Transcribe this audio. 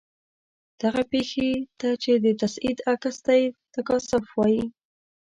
دغې پیښې ته چې د تصعید عکس دی تکاثف وايي.